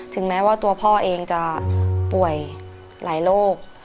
แม้ว่าตัวพ่อเองจะป่วยหลายโรค